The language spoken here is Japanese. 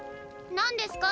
何ですか？